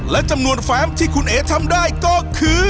และจำนวนแฟมที่คุณเอ๋ทำได้ก็คือ